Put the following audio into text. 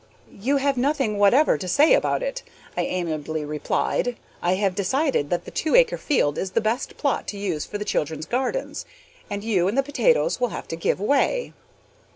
"You have nothing whatever to say about it," I amiably replied. "I have decided that the two acre field is the best plot to use for the children's gardens, and you and the potatoes will have to give way."